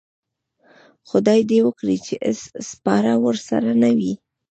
خدای دې وکړي چې اس سپاره ورسره نه وي.